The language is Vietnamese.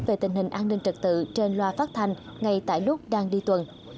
về tình hình an ninh trật tự trên loa phát thanh ngay tại lúc đang đi tuần